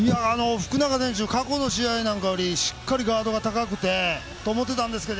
福永選手、過去の試合なんかよりしっかりガードが高いと思ってたんですけど